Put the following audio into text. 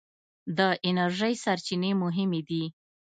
د انرژۍ سرچینې مهمې دي.